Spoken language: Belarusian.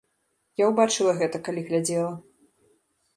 Я ўбачыла гэта, калі глядзела.